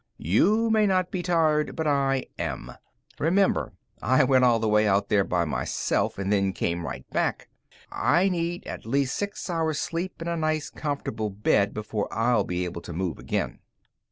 You may not be tired, but I am. Remember, I went all the way out there by myself, and then came right back. "I need at least six hours sleep in a nice, comfortable bed before I'll be able to move again."